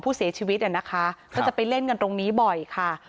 ผู้เสียชีวิตอ่ะนะคะก็จะไปเล่นกันตรงนี้บ่อยค่ะ